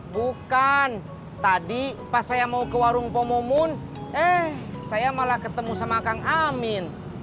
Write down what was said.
bukan tadi pas saya mau ke warung pomun eh saya malah ketemu sama kang amin